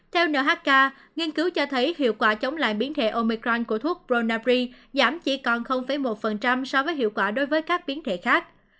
theo nhk nghiên cứu cho thấy hiệu quả chống lại biến thể omicron của thuốc pronabri giảm chỉ còn một so với hiệu quả đối với các biến thể khác